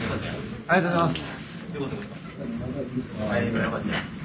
ありがとうございます。